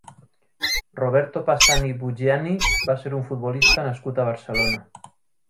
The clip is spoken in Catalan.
Roberto Passani Buggiani va ser un futbolista nascut a Barcelona.